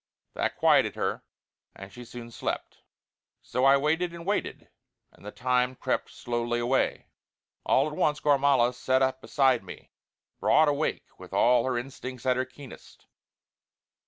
That quieted her, and she soon slept. So I waited and waited, and the time crept slowly away. All at once Gormala sat up beside me, broad awake and with all her instincts at her keenest.